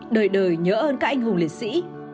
đời đời nhớ ơn các anh hùng liệt sĩ